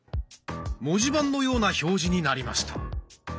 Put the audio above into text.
文字盤のような表示になりました。